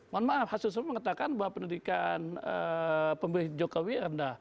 mohon maaf hasil survei mengatakan bahwa pendidikan pemerintah jokowi rendah